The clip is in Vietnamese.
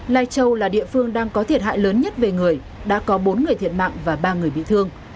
lai châu là địa phương đang có thiệt hại lớn nhất về người đã có bốn người thiệt mạng và ba người bị thương